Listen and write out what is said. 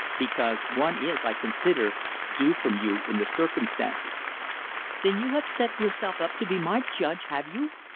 "Because one is, I consider, due from you in the circumstances." "Then you have set yourself up to be my judge, have you?"